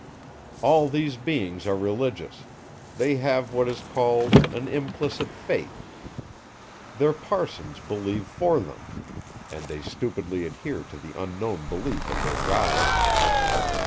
All these beings are religious; they have what is called an implicit faith. Their parsons believe for them; and they stupidly adhere to the unknown belief of their guides.